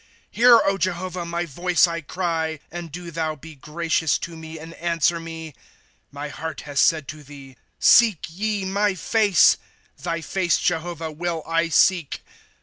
' Hear, Jehovah, my voice, T cry ; And do thou be gracious to me, and answer me. ^ My heart has said to thee : Seek ye my face, — Thy face, Jehovah, will I seek.